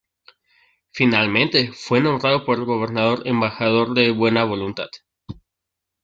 Finalmente fue nombrado por el gobernador embajador de buena voluntad.